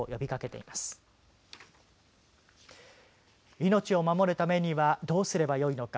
命を守るためにはどうすればよいのか。